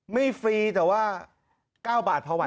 ไม่ฟรีแต่ว่า๙บาทเพราะไหว